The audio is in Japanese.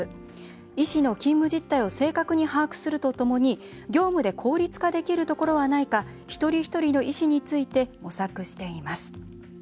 医師の勤務実態を正確に把握するとともに業務で効率化できるところはないか一人一人の医師について模索しています。